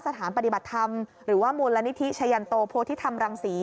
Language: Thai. สถานปฏิบัติธรรมหรือว่ามูลนิธิชะยันโตโพธิธรรมรังศรี